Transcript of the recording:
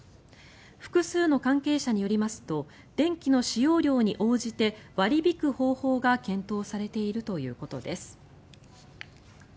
複数の関係者によりますと電気の使用量に応じて割り引く方法が検討されているということです。